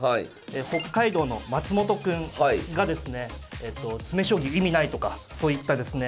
北海道の松本くんがですね詰将棋意味ないとかそういったですね。